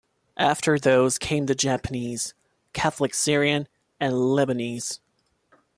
After those, came the Japanese, Catholic Syrian and Lebanese.